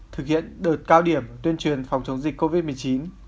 thực hiện đợt cao điểm tuyên truyền phòng chống dịch covid một mươi chín